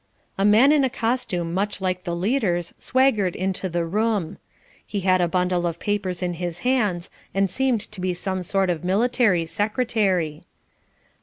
A man in a costume much like the leader's swaggered into the room. He had a bundle of papers in his hands, and seemed to be some sort of military secretary.